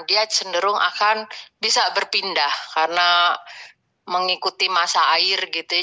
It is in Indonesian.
dia cenderung akan bisa berpindah karena mengikuti masa air gitu ya